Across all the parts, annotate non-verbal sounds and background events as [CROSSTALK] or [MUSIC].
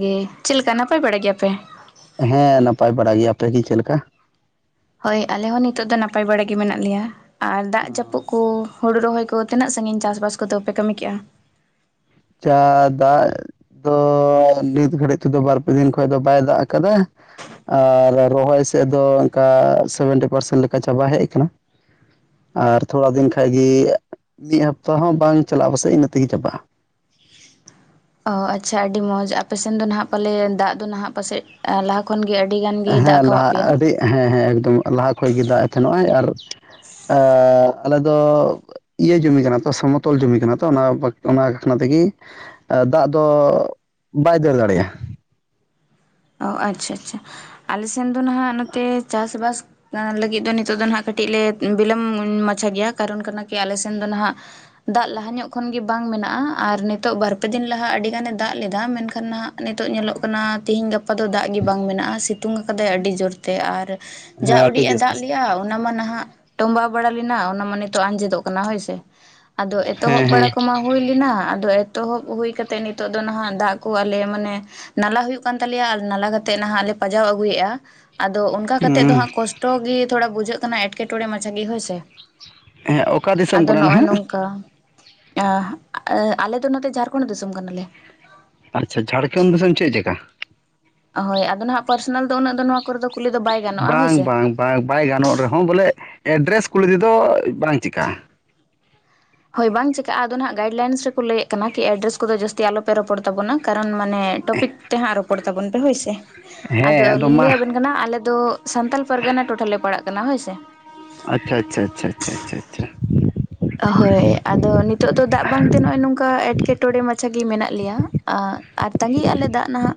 ᱜᱮ ᱪᱮᱫ ᱞᱮᱠᱟ ᱱᱟᱯᱟᱭ ᱵᱟᱲᱟ ᱜᱮᱭᱟᱯᱮ? ᱦᱮᱸ ᱱᱟᱯᱟᱭ ᱵᱟᱲᱟ ᱜᱮᱭᱟ, ᱟᱯᱮᱜᱤ ᱪᱮᱫ ᱞᱮᱠᱟ? ᱦᱳᱭ ᱟᱞᱮ ᱦᱚᱸ ᱱᱤᱛᱚᱜ ᱫᱚ ᱱᱟᱯᱟᱭ ᱵᱟᱲᱟ ᱜᱮ ᱢᱮᱱᱟᱜ ᱞᱮᱭᱟ ᱟᱨ ᱫᱟᱜ ᱡᱟᱹᱯᱩᱫᱽ ᱠᱚ ᱦᱳᱲᱳ ᱨᱚᱦᱚᱭ ᱠᱚ ᱛᱤᱱᱟᱹᱜ ᱥᱟᱺᱜᱤᱧ ᱪᱟᱥᱵᱟᱥ ᱠᱚᱫᱚ ᱯᱮ ᱠᱟᱹᱢᱤ ᱠᱮᱫ-ᱟ? [UNINTELLIGIBLE] ᱫᱚ ᱱᱤᱛ ᱜᱷᱟᱹᱲᱤᱡ ᱛᱮᱫᱚ ᱵᱟᱨᱯᱮ ᱫᱤᱱ ᱠᱷᱚᱡ ᱫᱚ ᱵᱟᱭ ᱫᱟᱜ ᱟᱠᱟᱫᱟ ᱟᱨ ᱨᱚᱦᱚᱭ ᱥᱮᱫ ᱫᱚ ᱚᱱᱠᱟ ᱥᱮᱵᱷᱮᱱᱴᱤ ᱯᱟᱨᱥᱮᱱ ᱞᱮᱠᱟ ᱪᱟᱵᱟ ᱦᱮᱡ ᱟᱠᱟᱱᱟ ᱟᱨ ᱛᱷᱚᱲᱟ ᱫᱤᱱ ᱠᱷᱟᱡ ᱜᱤ ᱢᱤᱫ ᱦᱟᱯᱛᱟ ᱦᱚᱸ ᱵᱟᱝ ᱪᱟᱞᱟᱜᱼᱟ ᱯᱟᱥᱮᱡ ᱤᱱᱟᱹ ᱛᱤᱜᱮ ᱪᱟᱵᱟᱜᱼᱟ ᱚ ᱟᱪᱪᱷᱟ ᱟᱹᱰᱤ ᱢᱚᱡᱽ ᱟᱯᱮᱥᱮᱱ ᱫᱚ ᱱᱟᱦᱟᱜ ᱯᱟᱞᱮ ᱫᱟᱜ ᱫᱚ ᱱᱟᱦᱟᱜ ᱯᱟᱥᱮᱡ ᱞᱟᱦᱟ ᱠᱷᱚᱱᱜᱮ ᱟᱹᱰᱤ ᱜᱟᱱ ᱜᱮᱭ ᱫᱟᱜ ᱦᱮᱸ ᱟᱠᱟᱣᱟᱫ ᱞᱟᱦᱟ ᱯᱮᱭᱟ? ᱟᱹᱰᱤ ᱦᱮᱸ ᱦᱮᱸ ᱮᱠᱫᱚᱢ ᱞᱟᱦᱟ ᱠᱷᱚᱡ ᱜᱮ ᱫᱟᱜ ᱮᱫ ᱛᱟᱦᱮᱱᱟ ᱱᱚᱜ ᱚᱭ, ᱟᱨ ᱟᱞᱮ ᱫᱚ ᱤᱭᱟᱹ ᱡᱩᱢᱤ ᱠᱟᱱᱟ ᱛᱚ ᱥᱚᱢᱚᱛᱚᱞ ᱡᱩᱢᱤ ᱠᱟᱱᱟ ᱛᱚ ᱚᱱᱟ ᱵᱟᱠᱷᱱᱟ ᱛᱮᱜᱮ ᱟ ᱫᱟᱜ ᱫᱚ ᱵᱟᱭ ᱫᱟᱹᱲ ᱫᱟᱲᱮᱭᱟᱜᱼᱟ ᱚ ᱟᱪᱪᱷᱟ ᱟᱪᱪᱷᱟ ᱟᱞᱮ ᱥᱮᱱ ᱫᱚ ᱱᱟᱦᱟᱜ ᱱᱚᱛᱮ ᱪᱟᱥᱵᱟᱥ ᱚᱱᱟ ᱞᱟᱹᱜᱤᱫ ᱫᱚ ᱱᱤᱛᱚᱜ ᱫᱚ ᱦᱟᱸᱜ ᱠᱟᱹᱴᱤᱡ ᱞᱮ ᱵᱤᱞᱚᱢ ᱢᱟᱪᱷᱟ ᱜᱮᱭᱟ ᱠᱟᱨᱚᱱ ᱠᱟᱱᱟ ᱠᱤ ᱟᱞᱮ ᱥᱮᱱ ᱫᱚ ᱱᱟᱦᱟᱸᱜ ᱫᱟᱜ ᱞᱟᱦᱟ ᱧᱚᱜ ᱠᱷᱚᱱ ᱜᱮ ᱵᱟᱝ ᱢᱮᱱᱟᱜᱼᱟ ᱟᱨ ᱱᱤᱛᱚᱜ ᱵᱟᱨ ᱯᱮ ᱫᱤᱱ ᱞᱟᱦᱟ ᱟᱹᱰᱤ ᱜᱟᱱᱮ ᱫᱟᱜ ᱞᱮᱫᱟ ᱢᱮᱱᱠᱷᱟᱱ ᱱᱟᱦᱟᱜ ᱱᱤᱛᱳᱜ ᱧᱮᱞᱚᱜ ᱠᱟᱱᱟ ᱛᱤᱦᱤᱧ ᱜᱟᱯ ᱜᱟᱯᱟ ᱫᱚ ᱫᱟᱜ ᱜᱮ ᱵᱟᱝ ᱢᱮᱱᱟᱜᱼᱟ ᱥᱤᱛᱩᱝ ᱟᱠᱟᱫᱟᱭ ᱟᱹᱰᱤ ᱡᱳᱨᱛᱮ ᱟᱨ ᱡᱟ ᱦᱮᱸ ᱟᱹᱰᱤ ᱩᱰᱤᱡ ᱮ ᱡᱟᱹᱥᱛᱤ ᱫᱟᱜ ᱞᱮᱜ ᱟ ᱚᱱᱟ ᱢᱟ ᱱᱟᱦᱟᱜ ᱛᱚᱢᱵᱟ ᱵᱟᱲᱟ ᱞᱮᱱᱟ ᱚᱱᱟ ᱢᱟ ᱱᱤᱛᱚᱜ ᱟᱸᱡᱮᱫᱚᱜ ᱠᱟᱱᱟ ᱦᱳᱭᱥᱮ ᱟᱫᱚ ᱦᱮᱸ ᱮᱛᱚᱦᱚᱵ ᱦᱮᱸ ᱵᱟᱲᱟ ᱠᱚᱢᱟ ᱦᱩᱭ ᱞᱮᱱᱟ ᱟᱫᱚ ᱮᱛᱚᱦᱚᱵ ᱦᱩᱭ ᱠᱟᱛᱮᱜ ᱱᱤᱛᱚᱜ ᱫᱚ ᱱᱟᱦᱟᱜ ᱫᱟᱜ ᱠᱚ ᱟᱞᱮ ᱢᱟᱱᱮ ᱱᱟᱞᱟ ᱦᱩᱭᱩᱜ ᱠᱟᱱ ᱛᱟᱞᱮᱭᱟ ᱱᱟᱞᱟ ᱠᱟᱛᱮᱜ ᱱᱟᱦᱟᱜ ᱞᱮ ᱯᱟᱡᱟᱣ ᱟᱹᱜᱩᱭᱮᱜᱼᱟ ᱟᱫᱚ ᱚᱱᱠᱟ ᱠᱟᱛᱮ ᱫᱚ ᱦᱩᱸ ᱦᱟᱸᱜ ᱠᱚᱥᱴᱚ ᱴᱚ ᱜᱮ ᱛᱷᱚᱲᱟ ᱵᱩᱡᱷᱟᱹᱜ ᱠᱟᱱᱟ ᱮᱴᱠᱮᱴᱚᱬᱮ ᱢᱟᱪᱷᱟ ᱜᱮ ᱦᱳᱭᱥᱮ ᱦᱮᱸ ᱚᱠᱟ ᱫᱤᱥᱚᱢ ᱟᱫᱚ ᱠᱟᱱᱟ ᱱᱚᱜ-ᱚᱭ ᱱᱟᱦᱟᱜ ᱱᱚᱝᱠᱟ᱾ ᱟᱸᱻ ᱟᱞᱮ ᱫᱚ ᱱᱚᱛᱮ ᱡᱷᱟᱨᱠᱷᱚᱸᱰ ᱫᱤᱥᱚᱢ ᱠᱟᱱᱟᱞᱮ᱾ ᱟᱪᱪᱷᱟ ᱡᱷᱟᱲᱠᱷᱚᱱ ᱫᱤᱥᱚᱢ ᱪᱮᱫ ᱡᱟᱜᱟ? ᱦᱳᱭ ᱟᱫᱚ ᱱᱟᱦᱟᱜ ᱯᱟᱨᱥᱚᱱᱟᱞ ᱫᱚ ᱩᱱᱟᱹᱜ ᱫᱚ ᱱᱚᱣᱟ ᱠᱚᱨᱮ ᱫᱚ ᱠᱩᱞᱤ ᱫᱚ ᱵᱟᱭ ᱜᱟᱱᱚᱜᱼᱟ ᱦᱳᱭ ᱵᱟᱝ ᱥᱮ ᱵᱟᱝ ᱵᱟ ᱵᱟᱭ ᱜᱟᱱᱚᱜ ᱨᱮᱦᱚᱸ ᱵᱚᱞᱮ ᱮᱰᱨᱮᱥ ᱠᱩᱞᱤ ᱛᱮᱫᱚ ᱵᱟᱝ ᱪᱮᱠᱟᱜ-ᱟ᱾ ᱦᱳᱭ ᱵᱟᱝ ᱪᱤᱠᱟᱹᱜ-ᱟ ᱟᱫᱚ ᱱᱦᱟᱜ ᱜᱟᱭᱤᱰ ᱞᱟᱭᱤᱱᱥ ᱨᱮᱠᱚ ᱞᱟᱹᱭᱮᱜ ᱠᱟᱱᱟ ᱠᱤ ᱮᱰᱨᱮᱥ ᱠᱚᱫᱚ ᱡᱟᱹᱥᱛᱤ ᱟᱞᱚᱯᱮ ᱨᱚᱯᱚᱲ ᱛᱟᱵᱚᱱᱟ ᱠᱟᱨᱚᱱ ᱢᱟᱱᱮ ᱴᱚᱯᱤᱠ ᱛᱮ ᱦᱟᱸᱜ ᱨᱚᱯᱚᱲ ᱛᱟᱵᱚᱱ ᱯᱮ ᱦᱳᱭ ᱥᱮ᱾ ᱟᱫᱚ ᱦᱮᱸ ᱞᱤᱧ ᱢᱟ ᱞᱟᱹᱭ ᱟᱵᱮᱱ ᱠᱟᱱᱟ ᱟᱞᱮ ᱫᱚ ᱥᱟᱱᱛᱟᱞ ᱯᱟᱨᱜᱟᱱᱟ ᱴᱚᱴᱷᱟ ᱞᱮ ᱯᱟᱲᱟᱜ ᱠᱟᱱᱟ ᱦᱳᱭ ᱥᱮ᱾ ᱟᱪᱪᱷᱟ ᱟᱪᱪᱷᱟ ᱟᱪᱪᱷᱟ ᱟᱪᱪᱷᱟ ᱟᱪᱪᱷᱟ ᱟᱪᱪᱷᱟ ᱦᱳᱭ ᱟᱫᱚ ᱱᱤᱛ ᱛᱳᱜ ᱫᱚ ᱫᱟᱜ ᱵᱟᱝᱛᱮ ᱱᱚᱜ-ᱚᱭ ᱱᱚᱝᱠᱟ ᱮᱸᱴᱠᱮᱴᱚᱬᱮ ᱢᱟᱪᱷᱟ ᱜᱮ ᱢᱮᱱᱟᱜ ᱞᱮᱭᱟ ᱟᱨ ᱛᱟᱺᱜᱤᱭᱮ-ᱟ ᱞᱮ ᱫᱟᱜ ᱱᱟᱦᱟᱜ᱾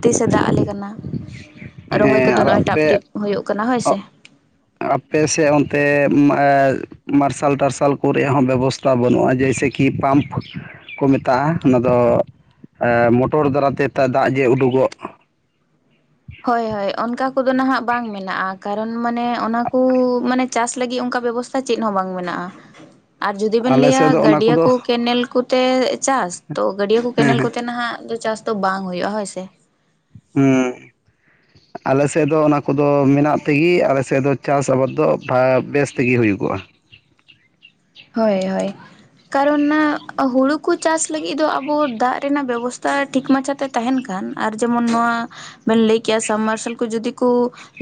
ᱛᱤᱥᱮ ᱫᱟᱜ ᱟᱞᱮ ᱠᱟᱱᱟ ᱨᱚᱦᱚᱭ ᱦᱮᱸ ᱠᱚᱫᱚ ᱟᱨ ᱱᱚᱜ-ᱚᱭ ᱴᱟᱯ ᱟᱯᱮ ᱴᱤᱯ ᱦᱩᱭᱩᱜ ᱠᱟᱱᱟ ᱦᱳᱭᱥᱮ᱾ ᱟᱯᱮ ᱥᱮᱜ ᱚᱱᱛᱮ ᱢᱟᱨᱥᱟᱞ ᱴᱟᱨᱥᱟᱞ ᱠᱚ ᱨᱮᱭᱟᱜ ᱦᱚᱸ ᱵᱮᱵᱚᱥ ᱵᱟᱹᱱᱩᱜ-ᱟ ᱡᱮᱭᱥᱮ ᱠᱤ ᱯᱟᱢᱯ ᱠᱚ ᱢᱮᱛᱟᱜ-ᱟ ᱚᱱᱟ ᱫᱚ ᱢᱚᱴᱚᱨ ᱫᱟᱨᱟᱭᱛᱮ ᱛᱟᱜ ᱫᱟᱜ ᱡᱮ ᱩᱰᱩᱜᱚᱜ ᱦᱳᱭ ᱦᱳᱭ ᱚᱱᱠᱟ ᱠᱚᱫᱚ ᱱᱟᱦᱟᱜ ᱵᱟᱝ ᱢᱮᱱᱟᱜ-ᱟ ᱠᱟᱨᱚᱱ ᱢᱟᱱᱮ ᱚᱱᱟ ᱠᱩ ᱢᱟᱱᱮ ᱪᱟᱥ ᱞᱟᱹᱜᱤ ᱚᱝᱠᱟ ᱵᱮᱵᱚᱥᱛᱟ ᱪᱮᱫ ᱦᱚᱸ ᱵᱟᱝ ᱢᱮᱱᱟᱜ-ᱟ ᱟᱨ ᱡᱩᱫᱤ ᱵᱮᱱ ᱟᱞᱮ ᱞᱟᱹᱭᱟ ᱥᱮᱫ ᱫᱚ ᱚᱱᱟ ᱜᱟᱹᱰᱭᱟᱹ ᱠᱚᱫᱚ ᱠᱚ ᱠᱮᱱᱮᱞ ᱠᱩ ᱛᱮ ᱪᱟᱥ ᱛᱚ ᱜᱟᱹᱰᱭᱟᱹ ᱠᱚ ᱦᱮᱸ ᱠᱮᱱᱮᱞ ᱦᱮᱸ ᱠᱚᱛᱮ ᱱᱟᱦᱟᱜ ᱫᱚ ᱪᱟᱥ ᱫᱚ ᱵᱟᱝ ᱦᱩᱭᱩᱜ-ᱟ ᱦᱳᱭ ᱥᱮ᱾ ᱦᱩᱸ ᱟᱞᱮᱥᱮᱫ ᱫᱚ ᱚᱱᱟ ᱠᱚᱫᱚ ᱢᱮᱱᱟᱜ ᱛᱮᱜᱤ ᱟᱞᱮᱥᱮᱫ ᱫᱚ ᱪᱟᱥ ᱟᱵᱟᱫ ᱫᱚ ᱵᱷᱟ ᱵᱮᱥ ᱛᱮᱜᱮ ᱦᱩᱭᱩᱜᱚᱜ-ᱟ ᱦᱳᱭ ᱦᱳᱭ ᱠᱟᱨᱚᱱ ᱱᱟ ᱦᱩᱲᱩ ᱠᱚ ᱪᱟᱥ ᱞᱟᱹᱜᱤᱫ ᱫᱚ ᱟᱵᱚ ᱫᱟᱜ ᱨᱮᱱᱟᱜ ᱵᱮᱵᱚᱥᱛᱟ ᱴᱷᱤᱠ ᱢᱟᱪᱷᱟᱛᱮ ᱛᱟᱦᱮᱱ ᱠᱷᱟᱱ ᱟᱨ ᱡᱮᱢᱚᱱ ᱱᱚᱣᱟ ᱵᱮᱱ ᱞᱟᱹᱭ ᱠᱮ-ᱟ ᱥᱟᱢ ᱢᱟᱨᱥᱟᱞ ᱠᱚ ᱡᱩᱫᱤ ᱠᱩ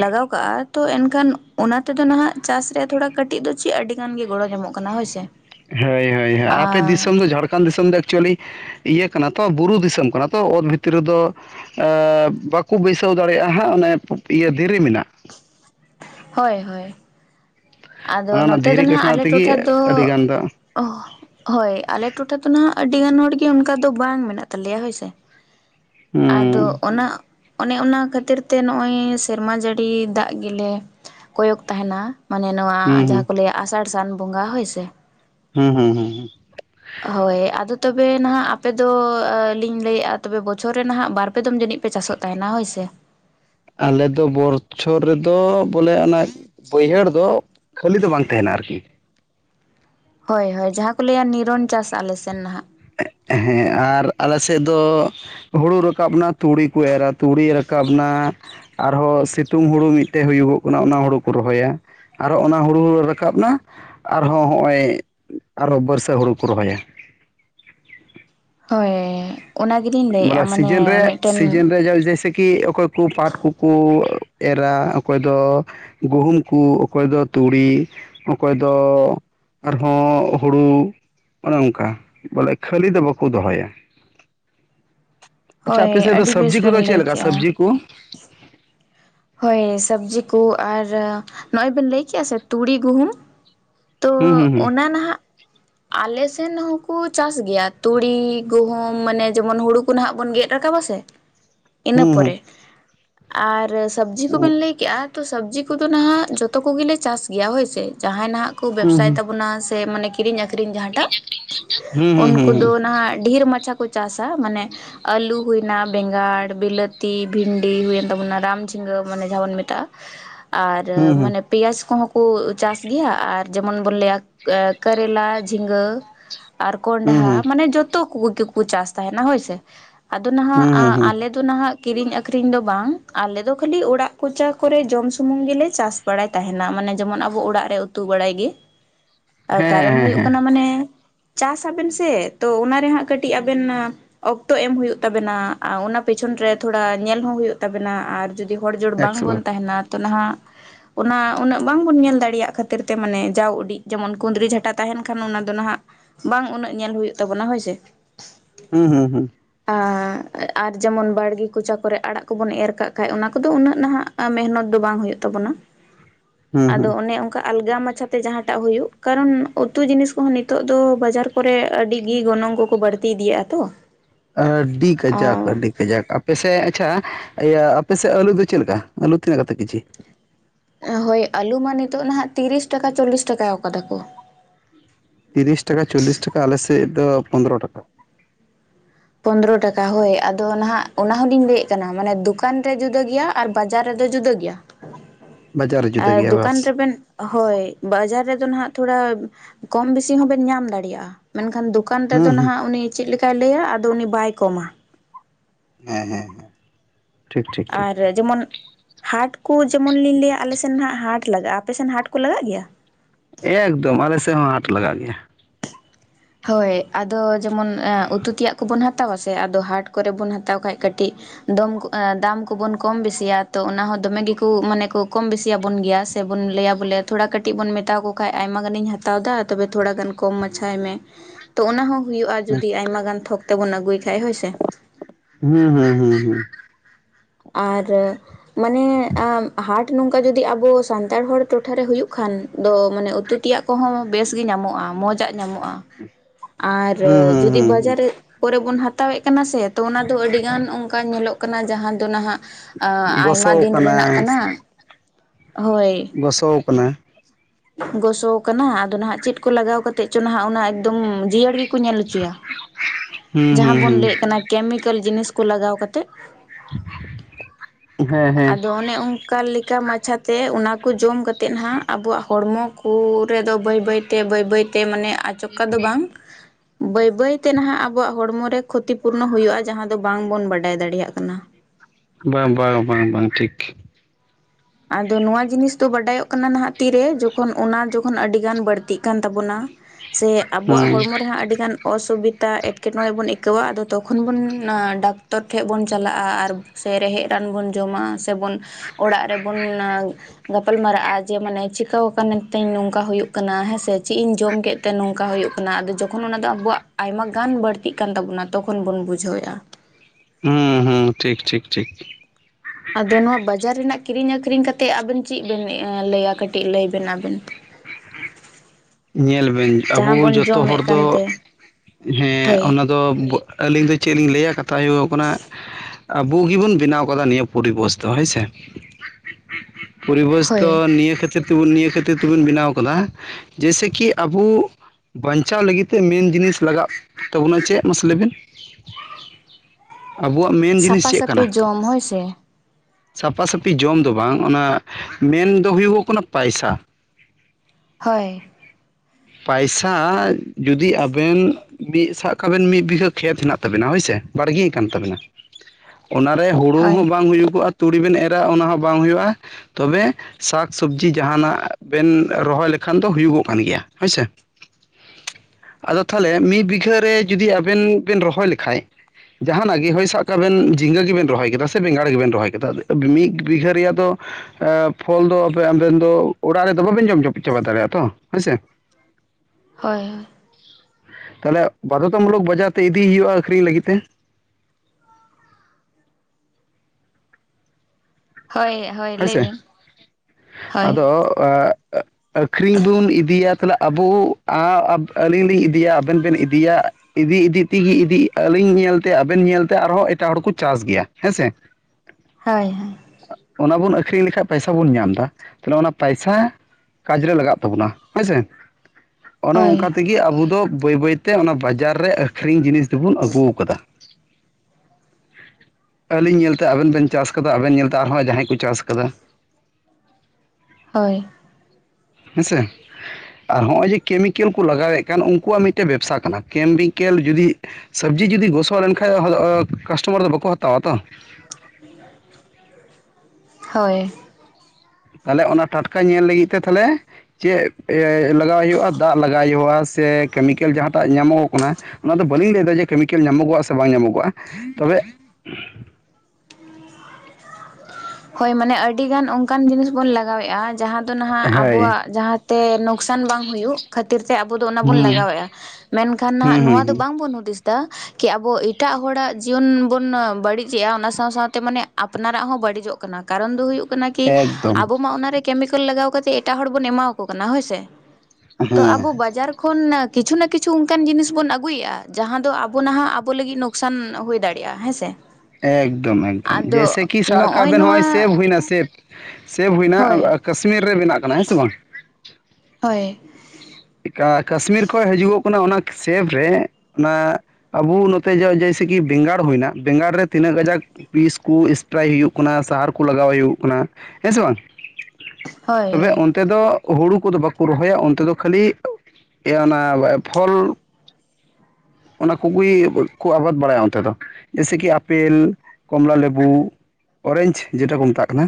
ᱞᱟᱜᱟᱣ ᱠᱟᱜ-ᱟ ᱛᱚ ᱮᱱᱠᱷᱟᱱ ᱚᱱᱟ ᱛᱮᱫᱚ ᱱᱟᱦᱟᱜ ᱪᱟᱥ ᱨᱮᱭᱟᱜ ᱛᱷᱚᱲᱟ ᱠᱟᱹᱴᱤᱜ ᱫᱚ ᱪᱮᱜ ᱟᱹᱰᱤᱜᱟᱱ ᱜᱮ ᱜᱚᱲᱚ ᱧᱟᱢᱚᱜ ᱠᱟᱱᱟ ᱦᱳᱭ ᱥᱮ᱾ ᱦᱳᱭ ᱦᱳᱭ ᱦᱳᱭ ᱟᱯᱮ ᱟᱨ ᱫᱤᱥᱚᱢ ᱫᱚ ᱡᱷᱟᱲᱠᱷᱚᱸᱰ ᱫᱤᱥᱚᱢ ᱫᱚ ᱮᱠᱪᱩᱭᱮᱞᱤ ᱤᱭᱟᱹ ᱠᱟᱱᱟ ᱛᱚ ᱵᱩᱨᱩ ᱫᱤᱥᱚᱢ ᱠᱟᱱᱟ ᱛᱚ ᱚᱛ ᱵᱷᱤᱛᱨᱤ ᱨᱮ ᱫᱚ ᱟᱸ ᱵᱟᱠᱚ ᱵᱟᱹᱭᱥᱟᱹᱣ ᱫᱟᱲᱮᱭᱟᱜ-ᱟ ᱦᱟᱸᱜ ᱚᱱᱮ ᱤᱭᱟᱹ ᱫᱷᱤᱨᱤ ᱢᱮᱱᱟᱜ, ᱦᱳᱭ ᱦᱳᱭ ᱟᱫᱚ ᱚᱱᱮ ᱚᱱᱟ ᱱᱚᱛᱮ ᱫᱚ ᱫᱷᱤᱨᱤ ᱱᱦᱟᱜ ᱠᱟᱠᱷᱱᱟ ᱟᱞᱮ ᱛᱮᱜᱮ ᱴᱚᱴᱷᱟᱨ ᱫᱚ ᱟᱹᱰᱤᱜᱟᱱ ᱫᱚ ᱦᱳᱭ ᱟᱞᱮ ᱴᱚᱴᱷᱟ ᱫᱚ ᱱᱦᱟᱜ ᱟᱹᱰᱤ ᱜᱟᱱ ᱦᱚᱲᱜᱮ ᱚᱱᱠᱟ ᱫᱚ ᱵᱟᱝ ᱢᱮᱱᱟᱜ ᱛᱟᱞᱮᱭᱟ ᱦᱳᱭᱥᱮ᱾ ᱟᱫᱚ ᱦᱩᱸ ᱚᱱᱟ ᱚᱱᱮ ᱚᱱᱟ ᱠᱷᱟᱹᱛᱤᱨ ᱛᱮ ᱱᱚᱜ-ᱚᱭ ᱥᱮᱨᱢᱟ ᱡᱟᱹᱲᱤ ᱫᱟᱜ ᱜᱮᱞᱮ ᱠᱚᱭᱚᱜ ᱛᱟᱦᱮᱱᱟ᱾ ᱢᱟᱱᱮ ᱱᱚᱣᱟ ᱦᱩᱸ ᱡᱟᱦᱟᱸ ᱦᱩᱸ ᱠᱚ ᱞᱟᱹᱭᱟ ᱟᱥᱟᱲ ᱥᱟᱱ ᱵᱚᱸᱜᱟ ᱦᱳᱭ ᱥᱮ᱾ ᱦᱩᱸ ᱦᱩᱸ ᱦᱩᱸ ᱦᱳᱭ ᱟᱫᱚ ᱛᱚᱵᱮ ᱱᱟᱦᱟᱜ ᱟᱯᱮ ᱫᱚ ᱞᱤᱧ ᱞᱟᱹᱭᱮᱜ-ᱟ ᱛᱚᱵᱮ ᱵᱚᱪᱷᱚᱨ ᱨᱮ ᱱᱟᱦᱟᱜ ᱵᱟᱨᱯᱮ ᱫᱚᱢ ᱡᱟᱹᱱᱤᱡ ᱯᱮ ᱪᱟᱥᱚᱜ ᱛᱟᱦᱮᱱᱟ ᱦᱳᱭ ᱥᱮ ᱟᱞᱮ ᱫᱚ ᱵᱚᱨᱪᱷᱚᱨ ᱨᱮᱫᱚ ᱵᱚᱞᱮ ᱚᱱᱟ ᱵᱟᱹᱭᱦᱟᱹᱲ ᱫᱚ ᱠᱷᱟᱹᱞᱤ ᱫᱚ ᱵᱟᱝ ᱛᱟᱦᱮᱸᱱᱟ ᱟᱨᱠᱤ᱾ ᱦᱳᱭ ᱦᱳᱭ, ᱡᱟᱦᱟᱸ ᱠᱚ ᱞᱟᱹᱭᱟ ᱱᱤᱨᱚᱱ ᱪᱟᱥ ᱟᱞᱮᱥᱮᱱ ᱱᱟᱦᱟᱜ᱾ ᱦᱮᱸ ᱟᱨ ᱟᱞᱮ ᱥᱮᱫ ᱫᱚ ᱦᱩᱲᱩ ᱨᱟᱠᱟᱵ ᱱᱟ ᱛᱩᱲᱤ ᱠᱚ ᱮᱨᱟ ᱛᱩᱲᱤ ᱨᱟᱠᱟᱵ ᱱᱟ ᱟᱨᱦᱚᱸ ᱥᱤᱛᱩᱝ ᱦᱩᱲᱩ ᱢᱤᱫᱴᱮᱜ ᱦᱩᱭᱩᱜᱚᱜ ᱠᱟᱱᱟ ᱚᱱᱟ ᱦᱩᱲᱩ ᱠᱚ ᱨᱚᱦᱚᱭᱟ᱾ ᱟᱨᱚ ᱚᱱᱟ ᱦᱩᱲᱩ ᱨᱟᱠᱟᱵ ᱱᱟ ᱟᱨᱦᱚᱸ ᱦᱚᱸᱜ-ᱚᱭ ᱟᱨᱚ ᱵᱟᱹᱨᱥᱟᱹ ᱦᱩᱲᱩ ᱠᱚ ᱨᱚᱦᱚᱭᱟ᱾ ᱦᱳᱭ᱾ ᱚᱱᱟ ᱜᱮᱞᱤᱧ ᱞᱟᱹᱭᱮᱫᱼᱟ ᱵᱚᱞᱮ ᱢᱟᱱᱮ ᱥᱤᱡᱮᱱ ᱨᱮ ᱢᱤᱫᱴᱮᱱ ᱥᱤᱡᱮᱱ ᱨᱮ [UNINTELLIGIBLE] ᱠᱤ ᱚᱠᱚᱭ ᱠᱩ ᱯᱟᱴ ᱠᱩᱠᱩ ᱮᱨᱟ ᱚᱠᱚᱭ ᱫᱚ ᱜᱩᱦᱩᱢ ᱠᱩ ᱚᱠᱚᱭ ᱫᱚ ᱛᱩᱲᱤ ᱚᱠᱚᱭ ᱫᱚ ᱟᱨᱦᱚᱸ ᱦᱩᱲᱩ ᱚᱱᱮ ᱚᱝᱠᱟ, ᱵᱚᱞᱮ ᱠᱷᱟᱹᱞᱤ ᱫᱚ ᱵᱟᱠᱚ ᱫᱚᱦᱚᱭᱟ᱾ ᱟᱪᱪᱷᱟ ᱟᱯᱮ ᱦᱳᱭ ᱥᱮᱫ ᱫᱚ ᱟᱹᱰᱤ ᱥᱟᱹᱵᱽᱡᱤ ᱵᱮᱥ ᱠᱚᱫᱚ ᱵᱮᱱ ᱪᱮᱫ ᱞᱟᱹᱭ ᱞᱮᱠᱟ ᱥᱟᱹᱵᱽᱡᱤ ᱠᱮᱜᱼᱟ ᱠᱩ? ᱦᱳᱭ, ᱥᱟᱹᱵᱽᱡᱤ ᱠᱩ ᱟᱨ ᱱᱚᱜᱼᱚᱭ ᱵᱮᱱ ᱞᱮᱭ ᱠᱮᱜᱼᱟ ᱥᱮ ᱛᱩᱲᱤ ᱜᱩᱦᱩᱢ ᱛᱚ ᱦᱮᱸ ᱦᱮᱸ ᱚᱱᱟ ᱱᱟᱦᱟᱜ [INAUDIBLE] ᱟᱞᱮᱥᱱ ᱦᱚᱸ ᱠᱩ ᱪᱟᱥ ᱜᱮᱭᱟ ᱛᱩᱲᱤ, ᱜᱩᱦᱩᱢ ᱢᱟᱱᱮ ᱡᱮᱢᱚᱱ ᱦᱩᱲᱩ ᱠᱚ ᱱᱟᱦᱟᱜ ᱵᱚᱱ ᱜᱮᱫ ᱨᱟᱠᱟᱵᱟ ᱥᱮ [INAUDIBLE] ᱤᱱᱟᱹ ᱯᱚᱨᱮ, ᱟᱨ ᱥᱟᱹᱵᱽᱡᱤ ᱠᱚᱵᱮᱱ ᱞᱟᱹᱭ ᱠᱮᱜ-ᱟ ᱛᱚ ᱥᱟᱹᱵᱽᱡᱤ ᱠᱚᱫᱚ ᱱᱟᱦᱟᱜ ᱡᱚᱛᱚ ᱠᱚᱜᱮ ᱞᱮ ᱪᱟᱥ ᱜᱮᱭᱟ ᱦᱳᱭᱥᱮ᱾ ᱡᱟᱦᱟᱸᱭ ᱱᱟᱦᱟᱜ ᱠᱚ ᱵᱮᱵᱥᱟᱭ ᱛᱟᱵ ᱚᱱᱟ ᱥᱮ ᱢᱟᱱᱮ ᱠᱤᱨᱤᱧ ᱟᱠᱷᱨᱤᱧ ᱡᱟᱦᱟᱸᱴᱟᱜ, ᱩᱱᱠᱩ ᱫᱚ ᱱᱟᱦᱟᱜ ᱰᱷᱤᱨ ᱢᱟᱪᱷᱟᱠ ᱠᱚ ᱪᱟᱥᱟ ᱢᱟᱱᱮ ᱟᱹᱞᱩ ᱦᱩᱭᱱᱟ ᱵᱮᱸᱜᱟᱲ, ᱵᱤᱞᱟᱹᱛᱤ, ᱵᱷᱤᱱᱰᱤ ᱦᱩᱭᱮᱱ ᱛᱟᱵᱚᱱᱟ ᱨᱟᱢ [UNINTELLIGIBLE] ᱡᱷᱤᱸᱜᱟᱹ ᱢᱟᱱᱮ ᱡᱟᱦᱟᱸ ᱵᱚᱱ ᱢᱮᱛᱟᱜᱼᱟ ᱟᱨ ᱢᱟᱱᱮ ᱯᱮᱸᱭᱟᱡᱽ ᱠᱚᱦᱚᱸ ᱠᱚ ᱪᱟᱥ ᱜᱮᱭᱟ ᱟᱨ ᱡᱮᱢᱚᱱ ᱵᱚᱱ ᱞᱮᱭᱟ ᱮ ᱠᱟᱨᱮᱞᱟ ᱡᱷᱤᱸᱜᱟᱹ ᱟᱨ ᱠᱚᱱᱰᱷᱟ ᱢᱟᱱᱮ ᱡᱚᱛᱚ ᱠᱚᱜᱮ ᱠᱩ ᱪᱟᱥ ᱛᱟᱦᱮᱱᱟ ᱦᱳᱭ ᱥᱮ ᱟᱫᱚ ᱱᱟᱦᱟᱜ ᱟᱸ ᱟᱞᱮ ᱛᱩ ᱱᱟᱦᱟᱜ ᱠᱤᱨᱤᱧ ᱟᱠᱷᱨᱤᱧ ᱫᱚ ᱵᱟᱝ ᱟᱞᱮ ᱫᱚ ᱠᱷᱟᱹᱞᱤ ᱚᱲᱟᱜ ᱠᱚᱪᱟ ᱠᱚᱨᱮ ᱡᱚᱢ ᱥᱩᱢᱩᱝ ᱜᱮᱞᱮ ᱪᱟᱥ ᱵᱟᱲᱟᱭ ᱛᱟᱦᱮᱱᱟ᱾ ᱢᱟᱱᱮ ᱡᱮᱢᱚᱱ ᱟᱵᱚ ᱚᱲᱟᱜ ᱨᱮ ᱩᱛᱩ ᱵᱟᱲᱟᱭ ᱜᱮ᱾ [INAUDIBLE] ᱟᱻ ᱠᱟᱨᱚᱱ ᱦᱩᱭᱩᱜ ᱠᱟᱱᱟ ᱢᱟᱱᱮ ᱪᱟᱥ ᱟᱵᱮᱱ ᱥᱮ ᱛᱚ ᱚᱱᱟᱨᱮᱦᱟᱸᱜ ᱠᱟᱹᱴᱤᱡ ᱟᱵᱮᱱ ᱚᱠᱛᱚ ᱮᱢ ᱦᱩᱭᱩᱜ ᱛᱟᱵᱮᱱᱟ ᱟᱸ ᱚᱱᱟ ᱯᱮᱪᱷᱚᱱ ᱨᱮ ᱛᱷᱚᱬᱟ ᱧᱮᱞ ᱦᱚᱸ ᱦᱩᱭᱩᱜ ᱛᱟᱵᱮᱱᱟ ᱟᱨ ᱡᱩᱫ ᱦᱚᱲ ᱡᱳᱲ ᱮᱠᱥᱚ ᱵᱟᱨ ᱵᱟᱝᱵᱚᱱ ᱛᱟᱦᱮᱸᱱᱟ ᱛᱚ ᱱᱟᱦᱟᱜ ᱚᱱᱟ ᱩᱱᱟᱹᱜ ᱵᱟᱝᱵᱚᱱ ᱧᱮᱞ ᱫᱟᱲᱮᱭᱟᱜ ᱠᱷᱟᱹᱛᱤᱨ ᱛᱮ ᱢᱟᱱᱮ ᱡᱟᱣ ᱩᱰᱤᱡ ᱡᱮᱢᱚᱱ ᱠᱩᱸᱫᱽᱨᱤ ᱡᱷᱟᱴᱟ ᱛᱟᱦᱮᱱ ᱠᱷᱟᱱ ᱚᱱᱟ ᱫᱚ ᱱᱟᱦᱟᱜ ᱵᱟᱝ ᱩᱱᱟᱹᱜ ᱧᱮᱞ ᱦᱩᱭᱩᱜ ᱛᱟᱵᱚᱱᱟ ᱦᱳᱭᱥᱮ᱾ ᱦᱩᱸ ᱦᱩᱸ ᱦᱩᱸ᱾ ᱟᱻ ᱟᱨ ᱡᱮᱢᱚᱱ ᱵᱟᱲᱜᱮ ᱠᱚᱪᱟ ᱠᱚᱨᱮᱜ ᱟᱲᱟᱜ ᱠᱚᱵᱚᱱ ᱮᱨ ᱠᱟᱜ ᱠᱷᱟᱡ ᱚᱱᱟ ᱠᱚ ᱫᱚ ᱩᱱᱟᱹᱜ ᱱᱟᱦᱟᱜ ᱢᱮᱦᱱᱚᱛ ᱫᱚ ᱵᱟᱝ ᱦᱩᱭᱩᱜ ᱛᱟᱵᱚᱱᱟ ᱦᱩᱸ ᱟᱫᱚ ᱦᱩᱸ ᱚᱱᱮ ᱚᱝ ᱟᱞᱜᱟ ᱢᱟᱪᱷᱟᱛᱮ ᱡᱟᱦᱟᱸᱴᱟᱜ ᱦᱩᱭᱩᱜ, ᱠᱟᱨᱚᱱ ᱩᱛᱩ ᱡᱤᱱᱤᱥ ᱠᱚᱦᱚᱸ ᱱᱤᱛᱚᱜ ᱫᱚ ᱵᱟᱡᱟᱨ ᱠᱚᱨᱮᱜ ᱟᱹᱰᱤ ᱜᱤ ᱜᱚᱱᱚᱝ ᱠᱚᱠᱚ ᱵᱟᱹᱲᱛᱤ ᱤᱫᱤᱭᱮᱜᱼᱟ ᱛᱚ᱾ ᱟᱹᱰᱤ ᱜᱟᱡᱟᱠ ᱟᱨ ᱟᱹᱰᱤ ᱜᱟᱡᱟᱠ, ᱟᱯᱮᱥᱮᱜ ᱟᱪᱪᱷᱟ ᱤᱭᱟᱹ ᱟᱯᱮᱥᱮᱜ ᱟᱹᱞᱩ ᱫᱚ ᱪᱮᱫ ᱞᱮᱠᱟ? ᱟᱞᱩ ᱛᱤᱱᱟᱹᱜ ᱠᱟᱛᱮᱜ ᱠᱮᱡᱤ? ᱦᱳᱭ, ᱟᱹᱞᱩ ᱢᱟ ᱱᱤᱛᱚᱜ ᱱᱟᱦᱟᱜ ᱛᱤᱨᱤᱥ ᱴᱟᱠᱟ ᱪᱚᱞᱞᱤᱥ ᱴᱟᱠᱟᱣ ᱠᱟᱫᱟ ᱠᱚ᱾ ᱛᱤᱨᱤᱥ ᱴᱟᱠᱟ ᱪᱚᱞᱞᱤᱥ ᱴᱟᱠᱟ, ᱟᱞᱮᱥᱮᱫ ᱫᱚ ᱯᱚᱱᱫᱽᱨᱚ ᱴᱟᱠᱟ᱾ ᱯᱚᱱᱫᱽᱨᱚ ᱴᱟᱠᱟ ᱦᱳᱭ, ᱟᱫᱚ ᱱᱟᱦᱟᱜ ᱚᱱᱟ ᱦᱚᱞᱤᱧ ᱞᱮᱭᱮᱫ ᱠᱟᱱᱟ ᱢᱟᱱᱮ ᱫᱚᱠᱟᱱ ᱨᱮ ᱡᱩᱫᱟᱹ ᱜᱮᱭᱟ ᱟᱨ ᱵᱟᱡᱟᱨ ᱨᱮᱫᱚ ᱡᱩᱫᱟᱹ ᱜᱮᱭᱟ ᱵᱟᱡᱟᱨ ᱨᱮ ᱡᱩᱫᱟᱹ ᱟᱨ ᱜᱮᱭᱟ ᱵᱟᱥ ᱫᱚᱠᱟᱱ ᱨᱮᱵᱮᱱ ᱦᱳᱭ, ᱵᱟᱡᱟᱨ ᱨᱮᱫᱚ ᱱᱟᱦᱟᱜ ᱛᱷᱚᱲᱟ ᱠᱚᱢ ᱵᱤᱥᱤ ᱦᱚᱸᱵᱮᱱ ᱧᱟᱢ ᱫᱟᱲᱮᱭᱟᱜᱼᱟ ᱢᱮᱱᱠᱷᱟᱱ ᱫᱳᱠ ᱫᱚᱠᱟᱱ ᱦᱩᱸ ᱨᱮᱫᱚ ᱦᱩᱸ ᱱᱟᱦᱟᱜ ᱩᱱᱤ ᱪᱮᱫ ᱞᱮᱠᱟᱭ ᱞᱮᱭᱟ ᱟᱫᱚ ᱩᱱᱤ ᱵᱟᱭ ᱠᱚᱢᱟ᱾ ᱦᱮᱸ ᱦᱮᱸ ᱦᱮᱸ᱾ ᱴᱷᱤᱠ ᱴᱷᱤᱠ ᱴᱷᱤᱠ ᱟᱨ ᱡᱮᱢᱚᱱ ᱦᱟᱴ ᱠᱳ ᱡᱮᱢᱚᱱ ᱞᱤᱧ ᱞᱟᱹᱭᱟ ᱟᱞᱮ ᱥᱮᱱ ᱦᱟᱸᱜ ᱦᱟᱴ ᱞᱟᱜᱟᱜ-ᱟ ᱟᱯᱮ ᱥᱮᱱ ᱦᱟᱴ ᱠᱚ ᱞᱟᱜᱟᱜ ᱜᱮᱭᱟ? ᱮᱠᱫᱚᱢ ᱟᱞᱮ ᱥᱮᱫ ᱦᱚᱸ ᱦᱟᱴ ᱞᱟᱜᱟᱜ ᱜᱮᱭᱟ᱾ ᱦᱳᱭ ᱟᱫᱚ ᱡᱮᱢᱚᱱ ᱩᱛᱩ ᱛᱮᱭᱟᱜ ᱠᱚᱵᱚᱱ ᱦᱟᱛᱟᱣᱟ ᱥᱮ ᱟᱫᱚ ᱦᱟᱴ ᱠᱚᱨᱮ ᱵᱚᱱ ᱦᱟᱛᱟᱣ ᱠᱷᱟᱡ ᱠᱟᱹᱴᱤᱡ ᱫᱚᱢ ᱠᱚ ᱫᱟᱢ ᱠᱚᱵᱚᱱ ᱠᱚᱢ ᱵᱮᱥᱤᱭᱟ ᱛᱚ ᱚᱱᱟ ᱦᱚᱸ ᱫᱚᱢᱮ ᱜᱮᱠᱚ ᱢᱟᱱᱮ ᱠᱚ ᱠᱚᱢ ᱵᱮᱥᱤᱭᱟ ᱵᱚᱱ ᱜᱮᱭᱟ ᱥᱮᱵᱚᱱ ᱞᱟᱹᱭᱼᱟ ᱵᱚᱞᱮ ᱛᱷᱚᱲᱟ ᱠᱟᱹᱴᱤᱡ ᱠᱟᱹᱴᱤᱡ ᱵᱚᱱ ᱢᱮᱛᱟ ᱠᱚ ᱠᱷᱟᱡ ᱟᱭᱢᱟ ᱜᱟᱱᱤᱧ ᱦᱟᱛᱟᱣ ᱮᱫᱟ ᱛᱚᱵᱮ ᱛᱷᱚᱲᱟ ᱜᱟᱱ ᱠᱚᱢ ᱢᱟᱪᱷᱟᱭ ᱢᱮ᱾ ᱛᱚ ᱚᱱᱟ ᱦᱚᱸ ᱦᱳᱭᱳᱜ-ᱟ ᱦᱮᱸ ᱡᱩᱫᱤ ᱟᱭᱢᱟ ᱜᱟᱱ ᱛᱷᱚᱠ ᱛᱮᱵᱚᱱ ᱟᱹᱜᱩᱭ ᱠᱷᱟᱡ ᱦᱳᱭ ᱥᱮ᱾ ᱦᱩᱸ ᱦᱩᱸ ᱦᱩᱸ ᱦᱩᱸ ᱟᱨ ᱢᱟᱱᱮ ᱟᱢ ᱦᱟᱴ ᱱᱚᱝᱠᱟ ᱡᱩᱫᱤ ᱟᱵᱚ ᱥᱟᱱᱛᱟᱲ ᱦᱚᱲ ᱴᱚᱴᱷᱟᱨᱮ ᱦᱳᱭᱳᱜ ᱠᱷᱟᱱ ᱫᱚ ᱢᱟᱱᱮ ᱩᱛᱩ ᱛᱮᱭᱟᱜ ᱠᱚᱦᱚᱸ ᱵᱮᱥ ᱜᱮ ᱧᱟᱢᱚᱜ-ᱟ ᱢᱚᱡᱟᱜ ᱧᱟᱢᱚᱜ-ᱟ ᱟᱨ ᱦᱩᱸ ᱦᱩᱸ ᱡᱩᱫᱤ ᱦᱩᱸ ᱦᱩᱸ ᱵᱟᱡᱟᱨ ᱠᱚᱨᱮ ᱵᱚᱱ ᱦᱟᱛᱟᱣ ᱮᱫ ᱠᱟᱱᱟ ᱥᱮ ᱛᱚ ᱚᱱᱟ ᱫᱚ ᱟᱹᱰᱤ ᱜᱟᱱ ᱚᱱᱠᱟ ᱧᱮᱞᱚᱜ ᱠᱟᱱᱟ ᱡᱟᱦᱟᱸ ᱫᱚ ᱱᱟᱦᱟᱜ ᱟᱸ ᱜᱚᱥᱚ ᱟᱭᱢᱟ ᱫᱤᱱ ᱟᱠᱟᱱᱟ ᱨᱮᱱᱟᱜ ᱠᱟᱱᱟ ᱦᱳᱭ᱾ ᱜᱚᱥᱚᱣ ᱠᱟᱱᱟ ᱜᱚᱥᱚ ᱠᱟᱱᱟ ᱟᱫᱚ ᱱᱟᱦᱟᱜ ᱪᱮᱫ ᱠᱚ ᱞᱟᱜᱟᱣ ᱠᱟᱛᱮᱜ ᱪᱚ ᱱᱟᱦᱟᱜ ᱩᱱᱟᱹᱜ᱾ ᱮᱠᱫᱚᱢ ᱡᱤᱭᱟᱹᱲ ᱜᱮᱠᱚ ᱧᱮᱞ ᱦᱚᱪᱚᱭᱟ ᱦᱩᱸ ᱡᱟᱦᱟᱸ ᱦᱩᱸ ᱵᱚᱱ ᱦᱩᱸ ᱞᱟᱹᱭᱮᱫ ᱠᱟᱱᱟ᱾ ᱠᱮᱢᱤᱠᱮᱞ ᱡᱤᱱᱤᱥ ᱠᱚ ᱞᱟᱜᱟᱣ ᱠᱟᱛᱮᱫ ᱦᱮᱸ ᱦᱮᱸ ᱟᱫᱚ ᱚᱱᱮ᱾ ᱚᱠᱟ ᱞᱮᱠᱟ ᱢᱟᱪᱷᱟᱛᱮ ᱚᱱᱟ ᱠᱚ ᱡᱚᱢ ᱠᱟ ᱠᱟᱛᱮᱫ ᱦᱟᱸᱜ ᱟᱵᱚᱣᱟᱜ ᱦᱚᱲᱢᱚ ᱠᱚ ᱨᱮᱫᱚ ᱵᱟᱹᱭ ᱵᱟᱹᱭᱛᱮ ᱵᱟᱹᱭ ᱵᱟᱹᱭᱛᱮ ᱢᱟᱱᱮ ᱟᱪᱚᱠᱟ ᱫᱚ ᱵᱟᱝ᱾ ᱵᱟᱹᱭ ᱵᱟᱹᱭ ᱛᱮ ᱱᱟᱦᱟᱜ ᱟᱵᱚᱣᱟᱜ ᱦᱚᱲᱢᱚᱮ ᱠᱷᱚᱛᱤ ᱯᱩᱨᱱᱚ ᱦᱳᱭᱳᱜ-ᱟ ᱡᱟᱦᱟᱸ ᱫᱚ ᱵᱟᱝ ᱵᱚᱱ ᱵᱟᱰᱟᱭ ᱫᱟᱲᱮᱭᱟᱜ ᱠᱟᱱᱟ᱾ ᱵᱟᱝ ᱵᱟᱝ ᱵᱟᱝ ᱵᱟᱝ ᱴᱷᱤᱠ᱾ ᱟᱫᱚ ᱱᱚᱣᱟ ᱡᱤᱱᱤᱥ ᱫᱚ ᱵᱟᱰᱟᱭᱚᱜ ᱠᱟᱱᱟ ᱱᱟᱦᱟᱜ ᱛᱤᱨᱮ ᱡᱚᱠᱷᱚᱱ ᱚᱱᱟ ᱡᱚᱠᱷᱚᱱ ᱟᱹᱰᱤ ᱜᱟᱱ ᱵᱟᱹᱲᱛᱤᱜ ᱠᱟᱱ ᱛᱟᱵᱚᱱᱟ᱾ ᱥᱮ ᱟᱵᱚᱣᱟᱜ ᱦᱮᱸ ᱦᱚᱲᱢᱚ ᱨᱮ ᱦᱟᱸᱜ ᱟᱹᱰᱤᱜᱟᱱ᱾ ᱚᱥᱩᱵᱤᱫᱷᱟ ᱮᱴᱠᱮᱴᱚᱬᱮ ᱵᱚᱱ ᱟᱹᱭᱠᱟᱹᱣᱟ ᱟᱫᱚ ᱛᱚᱠᱷᱚᱱ ᱵᱚᱱ ᱰᱟᱠᱛᱚᱨ ᱴᱷᱮᱱ ᱵᱚᱱ ᱪᱟᱞᱟᱜ-ᱟ ᱟᱨ᱾ ᱥᱮ ᱨᱮᱦᱮᱫ ᱨᱟᱱ ᱵᱚᱱ ᱡᱚᱢᱟ ᱥᱮᱵᱚᱱ ᱚᱲᱟᱜ ᱨᱮᱵᱚᱱ᱾ ᱜᱟᱯᱟᱞᱢᱟᱨᱟᱜ-ᱟ ᱡᱮ ᱢᱟᱱᱮ ᱪᱤᱠᱟᱹᱣ ᱠᱟᱱ ᱛᱤᱧ ᱱᱚᱝᱠᱟ ᱦᱳᱭᱳᱜ ᱠᱟᱱᱟ ᱦᱮᱸᱥᱮ ᱪᱮᱫ ᱤᱧ ᱡᱚᱢ ᱠᱮᱫ ᱛᱮ᱾ ᱛᱮ ᱱᱚᱝᱠᱟ ᱦᱳᱭᱳᱜ ᱠᱟᱱᱟ ᱟᱫᱚ ᱡᱚᱠᱷᱚᱱ ᱚᱱᱟ ᱫᱚ ᱟᱵᱚᱣᱟᱜ ᱟᱭᱢᱟ ᱜᱟᱱ ᱵᱟᱹᱲᱛᱤᱜ ᱠᱟᱱ ᱛᱟᱵᱚᱱᱟ ᱛᱚᱠᱷᱚᱱ ᱵᱚᱱ ᱵᱩᱡᱷᱟᱹᱣ ᱮ-ᱟ᱾ ᱦᱩᱸ ᱦᱩᱸ ᱴᱷᱤᱠ ᱴᱷᱤᱠ ᱴᱷᱤᱠ ᱟᱫᱚ ᱱᱚᱣᱟ ᱵᱟᱡᱟᱨ ᱨᱮᱱᱟᱜ ᱠᱤᱨᱤᱧ ᱟᱠᱷᱨᱤᱧ ᱠᱟᱛᱮᱫ ᱟᱵᱤᱱ ᱪᱮᱫ ᱵᱤᱱ ᱞᱟᱹᱭᱟ ᱠᱟᱹᱴᱤᱡ ᱞᱟᱹᱭ ᱵᱤᱱ ᱟᱵᱤᱱ᱾ [UNINTELLIGIBLE] ᱧᱮᱞ ᱵᱤᱱ ᱡᱟᱦᱟᱸ ᱟᱵᱚ ᱵᱚᱱ ᱡᱚᱛᱚ ᱦᱚᱲ ᱡᱚᱢᱮᱫ ᱫᱚ ᱠᱟᱱᱛᱮ ᱦᱮᱸ ᱦᱳᱭ ᱚᱱᱟ ᱟᱫᱚ ᱟᱹᱞᱤᱧ ᱫᱚ ᱪᱮᱫ ᱞᱤᱧ ᱞᱟᱹᱭᱼᱟ ᱠᱟᱛᱷᱟ ᱫᱚ ᱦᱳᱭᱳᱜ ᱠᱟᱱᱟ ᱟᱵᱚ ᱜᱮᱵᱚᱱ ᱵᱮᱱᱟᱣ ᱠᱟᱫᱟ ᱱᱤᱭᱟᱹ ᱯᱚᱨᱤᱵᱚᱥ ᱫᱚ ᱦᱳᱭ ᱥᱮ᱾ ᱯᱚᱨᱤᱵᱮᱥ ᱦᱳᱭ ᱫᱚ ᱱᱤᱭᱟᱹ ᱠᱷᱟᱹᱛᱤᱨ ᱛᱮᱵᱚᱱ ᱱᱤᱭᱟᱹ ᱠᱷᱟᱹᱛᱤᱨ ᱛᱮᱵᱚᱱ ᱵᱮᱱᱟᱣ ᱠᱟᱫᱟ᱾ ᱡᱮᱭᱥᱮ ᱠᱤ ᱟᱵᱚ ᱵᱟᱧᱪᱟᱣ ᱞᱟᱹᱜᱤᱫ ᱛᱮ ᱢᱮᱱ ᱡᱤᱱᱤᱥ ᱞᱟᱜᱟᱜ ᱛᱟᱵᱚᱱᱟ ᱪᱮᱫ ᱢᱟᱥᱮ ᱞᱟᱹᱭ ᱵᱤᱱ᱾ ᱟᱵᱚᱣᱟᱜ ᱢᱮᱱ ᱡᱤᱱᱤᱥ ᱥᱟᱯᱷᱟ ᱪᱮᱫ ᱥᱟᱹᱯᱷᱤ ᱠᱟᱱᱟ ᱡᱚᱢ ᱦᱳᱭ ᱥᱮ ᱥᱟᱯᱟ ᱥᱟᱹᱯᱤ ᱡᱚᱢ ᱫᱚ ᱵᱟᱝ ᱚᱱᱟ ᱢᱮᱱ ᱫᱚ ᱦᱩᱭᱩᱜᱚᱜ ᱠᱟᱱᱟ ᱯᱟᱭᱥᱟ᱾ ᱦᱳᱭ ᱯᱟᱭᱥᱟ ᱡᱩᱫᱤ ᱟᱵᱮᱱ ᱢᱤᱫ ᱥᱟᱵ ᱠᱟᱜ ᱵᱤᱱ ᱢᱤᱫ ᱵᱤᱜᱷᱟᱹ ᱠᱷᱮᱛ ᱦᱮᱱᱟᱜ ᱛᱟᱵᱤᱱᱟ ᱦᱳᱭ ᱥᱮ᱾ ᱵᱟᱲᱜᱮ ᱟᱠᱟᱱ ᱛᱟᱵᱤᱱᱟ ᱚᱱᱟᱨᱮ ᱦᱳᱲᱳ ᱦᱳᱭ ᱦᱚᱸ ᱵᱟᱝ ᱦᱩᱭᱩᱜᱚᱜ-ᱟ ᱛᱩᱲᱤ ᱵᱮᱱ ᱮᱨᱟ ᱚᱱᱟ ᱦᱚᱸ ᱵᱟᱝ ᱦᱩᱭᱩᱜ-ᱟ ᱛᱚᱵᱮ ᱥᱟᱠ-ᱥᱚᱵᱽᱡᱤ ᱡᱟᱦᱟᱱᱟᱜ ᱵᱤᱱ ᱨᱚᱦᱚᱭ ᱞᱮᱼᱼ ᱠᱷᱟᱱ ᱫᱚ ᱦᱩᱭᱩᱜᱚᱜ ᱠᱟᱱ ᱜᱮᱭᱟ ᱦᱳᱭ ᱥᱮ ᱟᱫᱚ ᱛᱟᱦᱚᱞᱮ ᱢᱤᱫ ᱵᱤᱜᱷᱟᱹ ᱨᱮ ᱡᱩᱫᱤ ᱟᱵᱤᱱ ᱵᱤᱱ ᱨᱚᱦᱚᱭ ᱞᱮᱠᱷᱟᱡ᱾ ᱡᱟᱦᱟᱱᱟᱜ ᱜᱮ ᱦᱳᱭ ᱥᱟᱵ ᱠᱟᱜ ᱵᱤᱱ ᱡᱷᱤᱸᱜᱟᱹ ᱜᱮᱵᱤᱱ ᱨᱚᱦᱚᱭ ᱠᱮᱫᱟ ᱥᱮ ᱵᱮᱸᱜᱟᱲ ᱜᱮᱵᱤᱱ ᱨᱚᱦᱚᱭ ᱠᱮᱫᱟ ᱢᱤᱫ ᱵᱤᱜᱷᱟᱹ ᱨᱮᱭᱟᱜ ᱫᱚ᱾ ᱮᱸ ᱯᱷᱚᱞ ᱫᱚ ᱟᱯᱮ ᱟᱵᱮᱱ ᱫᱚ ᱚᱲᱟᱜ ᱨᱮᱫᱚ ᱵᱟᱵᱤᱱ ᱡᱚᱢᱪᱚᱯᱮ᱾ ᱪᱟᱵᱟ ᱫᱟᱲᱮᱭᱟᱜᱼᱟ ᱛᱚ ᱟᱞᱮ ᱥᱮᱫ ᱦᱳᱭ ᱦᱳᱭ ᱛᱟᱦᱞᱮ ᱵᱟᱫᱷᱚᱛᱟ ᱢᱩᱞᱚᱠ ᱵᱟᱡᱟᱨ ᱛᱮ ᱤᱫᱤ ᱦᱩᱭᱩᱜᱼᱟ ᱟᱹᱠᱷᱨᱤᱧ ᱞᱟᱹᱜᱤᱫ ᱛᱮ? ᱦᱳᱭ ᱭᱟ, ᱦᱳᱭ ᱥᱮ, ᱟᱫᱚ ᱟᱸᱜ ᱟᱹᱜ ᱟᱹᱠᱷᱨᱤᱧ ᱫᱩᱱ ᱤᱫᱤᱭᱟ ᱛᱟᱦᱞᱮ ᱟᱵᱳ ᱟ ᱟᱵ ᱟᱹᱞᱤᱧ ᱞᱤᱧ ᱤᱫᱤᱭᱟ ᱟᱵᱮᱱ ᱵᱮᱱ ᱤᱫᱤᱭᱟ ᱤᱫᱤ ᱤᱫᱤ ᱛᱤᱜᱤ ᱤᱫᱤ ᱟᱹᱞᱤᱧ ᱧᱮᱞᱛᱮ ᱟᱵᱮᱱ ᱧᱮᱞᱛᱮ ᱟᱨᱦᱚᱸ ᱮᱴᱟᱜ ᱦᱚᱲ ᱠᱚ ᱪᱟᱥ ᱜᱮᱭᱟ ᱦᱮᱸᱥᱮ᱾ ᱦᱚᱭ ᱦᱚᱭ ᱚᱱᱟ ᱵᱚᱱ ᱟᱹᱠᱷᱨᱤᱧ ᱞᱮᱠᱷᱟᱡ ᱯᱟᱭᱥᱟ ᱵᱚᱱ ᱧᱟᱢᱫᱟ᱾ ᱛᱟᱦᱚᱞᱮ ᱚᱱᱟ ᱯᱟᱭᱥᱟ ᱠᱟᱡᱽ ᱨᱮ ᱞᱟᱜᱟᱜ ᱛᱟᱵᱚᱱᱟ ᱦᱳᱭ ᱥᱮ, ᱚᱱᱚ ᱚᱱᱠᱟ ᱦᱳᱭ ᱛᱤ ᱜᱤ ᱟᱵᱩ ᱫᱚ ᱵᱟᱹᱭ ᱵᱟᱹᱭ ᱛᱮ ᱚᱱᱟ ᱵᱟᱡᱟᱨ ᱨᱮ ᱟᱹᱠᱷᱨᱤᱧ ᱡᱤᱱᱤᱥ ᱫᱩᱵᱩᱱ ᱟᱹᱜᱩ ᱠᱟᱫᱟ᱾ ᱟᱞᱤᱧ ᱧᱮᱞ ᱛᱮ ᱟᱵᱮᱱ ᱵᱮᱱ ᱪᱟᱥ ᱠᱟᱫᱟ, ᱟᱵᱮᱱ ᱧᱮᱞ ᱛᱮ ᱟᱨᱦᱚᱸ ᱡᱟᱦᱟᱸᱭ ᱠᱚ ᱪᱟᱥ ᱠᱟᱫᱟ᱾ ᱦᱳᱭ᱾ ᱦᱮᱸᱥᱮ, ᱟ ᱦᱚᱸᱜᱼᱚᱭ ᱡᱮ ᱠᱮᱢᱤᱠᱮᱞ ᱠᱚ ᱞᱟᱜᱟᱣᱮᱫ ᱠᱟᱱ ᱩᱱᱠᱩᱣᱟᱜ ᱢᱤᱫᱴᱮᱱ ᱵᱮᱵᱽᱥᱟ ᱠᱟᱱᱟ, ᱠᱮᱢᱵᱤᱠᱮᱞ ᱡᱩᱫᱤ ᱥᱚᱵᱽᱡᱤ ᱡᱩᱫᱤ ᱜᱚᱥᱚ ᱞᱮᱱᱠᱷᱟᱡ [INAUDIBLE] ᱠᱟᱥᱴᱚᱢᱟᱨ ᱫᱚ ᱵᱟᱠᱚ ᱦᱟᱛᱟᱣᱟ ᱛᱚ᱾ [INAUDIBLE] ᱦᱳᱭ᱾ ᱛᱟᱦᱚᱞᱮ ᱚᱱᱟ ᱴᱟᱴᱠᱟ ᱧᱮᱞ ᱞᱟᱹᱜᱤᱫ ᱛᱮ ᱛᱟᱦᱞᱮ ᱪᱮᱫ ᱭᱮ ᱞᱟᱜᱟᱣ ᱦᱩᱭᱩᱜᱼᱟ ᱫᱟᱜ ᱞᱟᱜᱟᱣ ᱦᱩᱭᱩᱜᱼᱟ ᱥᱮ ᱠᱮᱢᱤᱠᱮᱞ ᱡᱟᱦᱟᱸᱴᱟᱜ ᱧᱟᱢᱚᱜᱚᱜ ᱠᱟᱱᱟ᱾ ᱚᱱᱟ ᱫᱚ ᱵᱟᱹᱞᱤᱧ ᱞᱟᱹᱭᱫᱟ ᱡᱮ ᱠᱮᱢᱤᱠᱮᱞ ᱧᱟᱢᱚᱜᱚᱜᱼᱟ ᱥᱮ ᱵᱟᱝ ᱧᱟᱢᱚᱜᱚᱜᱼᱟ᱾ ᱛᱚᱵᱮᱜ, ᱦᱳᱭ ᱢᱟᱱᱮ ᱟᱹᱰᱤᱜᱟᱱ ᱚᱱᱠᱟᱱ ᱡᱤᱱᱤᱥ ᱵᱚᱱ ᱞᱟᱜᱟᱣᱮᱫᱼᱟ᱾ ᱡᱟᱦᱟᱸ ᱫᱚ ᱱᱟᱦᱟᱜ ᱦᱳᱭ ᱟᱵᱚᱣᱟᱜ ᱡᱟᱦᱟᱸᱛᱮ ᱱᱳᱠᱥᱟᱱ ᱵᱟᱝ ᱦᱩᱭᱩᱜ ᱠᱷᱟᱹᱛᱤᱨ ᱛᱮ, ᱟᱵᱚ ᱫᱚ ᱚᱱᱟ ᱵᱚᱱ ᱦᱩᱸ ᱞᱟᱜᱟᱣᱮᱫᱼᱟ᱾ ᱢᱮᱱᱠᱷᱟᱱ ᱦᱩᱸ ᱦᱟᱸᱜ ᱦᱩᱸ ᱱᱚᱣᱟ ᱫᱚ ᱦᱩᱸ ᱵᱟᱝᱵᱚᱱ ᱦᱩᱫᱤᱥ ᱫᱟ ᱠᱤ ᱟᱵᱚ ᱤᱴᱟᱜ ᱦᱚᱲᱟᱜ ᱡᱤᱭᱚᱱ ᱵᱚᱱ ᱵᱟᱹᱲᱤᱡᱮᱜᱼᱟ᱾ ᱚᱱᱟ ᱥᱟᱸᱣ ᱥᱟᱸᱣᱛᱮ ᱢᱟᱱᱮ ᱟᱯᱱᱟ ᱱᱟᱜ ᱦᱚᱸ ᱵᱟᱹᱲᱤᱡᱚᱜ ᱠᱟᱱᱟ᱾ ᱠᱟᱨᱚᱱ ᱫᱚ ᱦᱩᱭᱩᱜ ᱠᱟᱱᱟ ᱠᱤ ᱮᱠᱫᱚᱢ ᱟᱵᱚ ᱢᱟ ᱚᱱᱟ ᱨᱮ ᱠᱮᱢᱤᱠᱮᱞ ᱞᱟᱜᱟᱣ ᱠᱟᱛᱮ ᱮᱴᱟᱜ ᱦᱚᱲ ᱵᱚᱱ ᱮᱢᱟᱣ ᱠᱚ ᱠᱟᱱᱟ ᱦᱳᱭ ᱥᱮ, ᱛᱚ ᱦᱮᱸ ᱟᱵᱚ ᱵᱟᱡᱟᱨ ᱠᱷᱚᱱ ᱱᱟᱹ ᱠᱤᱪᱷᱩ ᱱᱟ ᱠᱤᱪᱷᱩ ᱚᱱᱠᱟᱱ ᱡᱤᱱᱤᱥ ᱵᱚᱱ ᱟᱹᱜᱩᱭᱮᱫᱼᱟ᱾ ᱡᱟᱦᱟᱸ ᱫᱚ ᱟᱵᱚ ᱱᱟᱦᱟᱜ ᱟᱵᱚ ᱞᱟᱹᱜᱤᱫ ᱱᱩᱠ ᱥᱟᱱ ᱦᱩᱭ ᱫᱟᱲᱮᱭᱟᱜᱼᱟ ᱦᱮᱸᱥᱮ᱾ ᱮᱠᱫᱚᱢ ᱮᱠᱫᱚᱢ ᱟᱫᱚ ᱡᱮᱭᱥᱮᱠᱤ ᱥᱟᱜ ᱠᱟᱜ ᱵᱮᱱ ᱱᱚᱣᱟ ᱱᱚᱜᱼᱚᱭ ᱥᱮᱵᱷ ᱦᱩᱭᱱᱟ ᱥᱮᱯ᱾ ᱥᱮᱵᱷ ᱦᱩᱭᱱᱟ ᱟᱹᱵ ᱦᱳᱭ ᱟᱹ ᱠᱟᱥᱢᱤᱨ ᱨᱮ ᱵᱮᱱᱟᱜ ᱠᱟᱱᱟ ᱦᱮᱸ ᱥᱮ ᱵᱟᱝ? ᱦᱳᱭ᱾ ᱠᱟ ᱠᱟᱥᱢᱤᱨ ᱠᱷᱚᱡ ᱦᱤᱡᱩᱜᱚᱜ ᱠᱟᱱᱟ, ᱚᱱᱟ ᱥᱮᱵᱷ ᱨᱮ ᱚᱱᱟ ᱟᱵᱩ ᱱᱚᱛᱮ ᱡᱚᱜ ᱡᱚᱭᱥᱮᱠᱤ ᱵᱮᱸᱜᱟᱲ ᱦᱩᱭᱱᱟ, ᱵᱮᱸᱜᱟᱲ ᱨᱮ ᱛᱤᱱᱟᱹᱜ ᱠᱟᱡᱟᱠ ᱯᱤᱥ ᱠᱚ ᱥᱴᱟᱨᱟᱭ ᱦᱩᱭᱩᱜ ᱠᱟᱱᱟ ᱥᱟᱦᱟᱨ ᱠᱚ ᱞᱟᱜᱟᱣ ᱦᱳᱭᱳᱜ ᱠᱟᱱᱟ᱾ ᱦᱮᱸ ᱥᱮ ᱵᱟᱝ? ᱦᱳᱭ ᱛᱚᱵᱮ ᱦᱳᱭ ᱚᱱᱛᱮ ᱫᱚ ᱦᱩᱲᱩ ᱠᱚᱫᱚ ᱵᱟᱠᱳ ᱨᱚᱦᱚᱭᱟ, ᱚᱱᱛᱮ ᱫᱚ ᱠᱷᱟᱹᱞᱤ ᱮᱭᱟ ᱚᱱᱟ ᱣᱟᱭ ᱯᱷᱚᱞ ᱚᱱᱟ ᱠᱩᱜᱤ ᱵᱟᱸᱫᱽ ᱠᱚ ᱟᱵᱟᱫ ᱵᱟᱲᱟᱭᱟ ᱚᱱᱛᱮ ᱫᱚ ᱡᱮᱭᱥᱮᱠᱤ ᱟᱯᱮᱞ, ᱠᱚᱢᱚᱞᱟ, ᱞᱮᱵᱩ ᱚᱨᱮᱸᱧᱡᱽ ᱡᱮᱴᱟ ᱠᱚ ᱢᱮᱛᱟᱜ ᱠᱟᱱᱟ᱾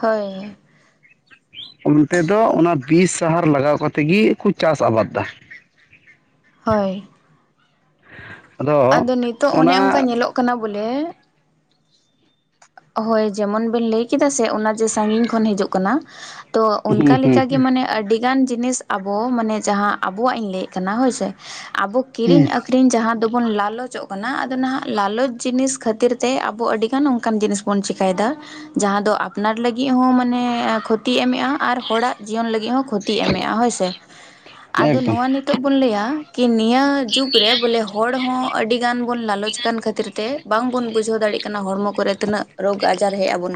ᱦᱳᱭ ᱦᱳᱭ᱾ ᱚᱱᱛᱮ ᱫᱚ ᱚᱱᱟ ᱵᱤᱥ ᱥᱟᱦᱟᱨ ᱞᱟᱜᱟᱣ ᱠᱟᱛᱮ ᱜᱤ ᱠᱩ ᱪᱟᱥ ᱟᱵᱟᱫᱽ ᱫᱟ᱾ ᱦᱚᱭ᱾ ᱟᱫᱚ ᱱᱤᱛᱚᱜ ᱚᱱᱮ ᱚᱱᱠᱟ ᱧᱮᱞᱚᱜ ᱠᱟᱱᱟ, ᱵᱚᱞᱮ ᱦᱳᱭ ᱡᱮᱢᱚᱱ ᱵᱮᱱ ᱞᱟᱹᱭ ᱠᱮᱫᱟ ᱥᱮ ᱚᱱᱟ ᱡᱮ ᱥᱟᱹᱜᱤᱧ ᱠᱷᱚᱱ ᱦᱤᱡᱩᱜ ᱠᱟᱱᱟ᱾ ᱛᱚ ᱦᱩᱸ ᱚᱱᱠᱟ ᱦᱩᱸ ᱞᱮᱠᱟ ᱦᱩᱸ ᱜᱮ ᱢᱟᱱᱮ ᱟᱹᱰᱤ ᱡᱟᱦᱟᱱ ᱡᱤᱱᱤᱥ ᱟᱵᱚ ᱢᱟᱱᱮ ᱡᱟᱦᱟᱸ ᱟᱵᱚᱣᱟᱜ ᱤᱧ ᱞᱟᱹᱭᱮᱫ ᱠᱟᱱᱟ ᱦᱳᱭ ᱥᱮ ᱟᱵᱚ ᱠᱤᱨᱤᱧ ᱟᱠ ᱦᱩᱸ ᱟᱹᱠᱷᱨᱤᱧ ᱡᱟᱦᱟᱸ ᱫᱚᱵᱚᱱ ᱞᱟᱞᱚᱪᱚᱜ ᱠᱟᱱᱟ ᱟᱫᱚ ᱱᱟᱦᱟᱜ ᱞᱟᱞᱚᱪ ᱡᱤᱱᱤᱥ ᱠᱷᱟᱹᱛᱤᱨ ᱛᱮ ᱟᱵᱚ ᱟᱹᱰᱤ ᱜᱟᱱ ᱚᱱ ᱚᱱᱠᱟᱱ ᱡᱤᱱᱤᱥ ᱵᱚᱱ ᱪᱮᱠᱟᱹᱭᱮᱫᱟ ᱡᱟᱦᱟᱸ ᱫᱚ ᱟᱯᱱᱟᱨ ᱞᱟᱹᱜᱤᱫ ᱦᱚᱸ ᱢᱟᱱᱮ ᱠᱷᱚᱛᱤᱭ ᱮᱢᱮᱫ, ᱟ ᱟᱨ ᱦᱚᱲᱟᱜ ᱡᱤᱭᱚᱱ ᱞᱟᱹᱜᱤᱫ ᱦᱚᱸ ᱠᱷᱚᱛᱤᱭ ᱮᱢᱮᱜ-ᱟ ᱦᱳᱭᱥᱮ ᱟᱫᱚ ᱮᱠᱫᱚᱢ ᱱᱚᱣᱟ ᱱᱤᱛ ᱱᱤᱛᱚᱜ ᱵᱚᱱ ᱞᱟᱹᱭᱟ ᱠᱤ ᱱᱤᱭᱟᱹ ᱡᱩᱜᱽ ᱨᱮ ᱵᱚᱞᱮ ᱦᱚᱲ ᱦᱚᱸ ᱟᱹᱰᱤ ᱜᱟᱱ ᱵᱚᱱ ᱞᱟᱞᱚᱪ ᱟᱠᱟᱱ ᱠᱷᱟᱹᱛᱤᱨ ᱛᱮ ᱵᱟᱝᱵᱚᱱ ᱵᱩᱡᱷᱟᱹᱣ ᱫᱟᱲᱮᱜ ᱠᱟᱱᱟ ᱦᱚᱲᱢᱚ ᱠᱚᱨᱮ ᱛᱤᱱᱟᱹᱜ ᱨᱳᱜᱽ ᱟᱡᱟᱨ ᱦᱮᱡ ᱟᱵᱚᱱ